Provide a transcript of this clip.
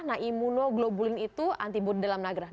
nah imunoglobulin itu antibody dalam nagrah